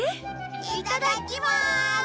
いただきまーす！